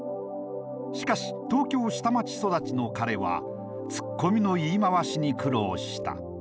しかし東京下町育ちの彼はツッコミの言い回しに苦労した。